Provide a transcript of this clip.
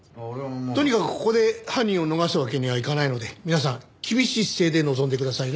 とにかくここで犯人を逃すわけにはいかないので皆さん厳しい姿勢で臨んでくださいね。